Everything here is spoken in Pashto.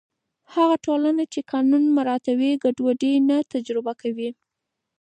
هغه ټولنه چې قانون مراعتوي، ګډوډي نه تجربه کوي.